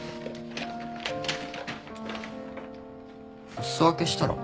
お裾分けしたら？